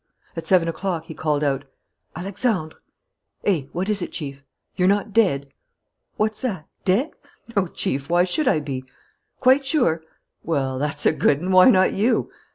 At seven o'clock he called out: "Alexandre!" "Eh? What is it, Chief?" "You're not dead?" "What's that? Dead? No, Chief; why should I be?" "Quite sure?" "Well, that's a good 'un! Why not you?"